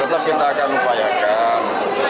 tetap kita akan memanfaatkan